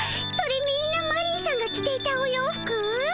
みんなマリーさんが着ていたお洋服？